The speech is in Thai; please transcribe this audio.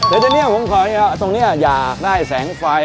เดี๋ยวเดี๋ยวนี้ก็ผมขอล่ะตรงเนี้ยอยากได้แสงไฟ